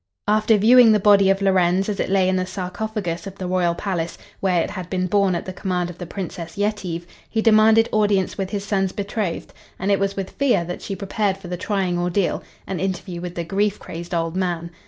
After, viewing the body of Lorenz as it lay in the sarcophagus of the royal palace, where it had been borne at the command of the Princess Yetive, he demanded audience with his son's betrothed, and it was with fear that she prepared for the trying ordeal, an interview with the grief crazed old man.